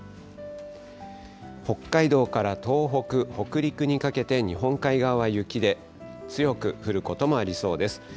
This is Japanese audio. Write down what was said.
北海道から東北、北陸にかけて、日本海側は雪で、強く降ることもありそうです。